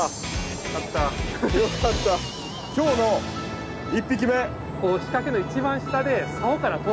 今日の１匹目。